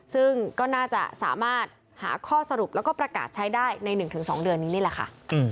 ซึ่งก็น่าจะสามารถหาข้อสรุปแล้วก็ประกาศใช้ได้ใน๑๒เดือนนี้นี่แหละค่ะ